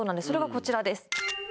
それがこちらです